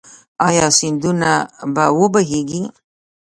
آیا سیندونه به و بهیږي؟